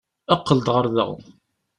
Qqel-d ɣer da!